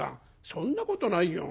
「そんなことないよ。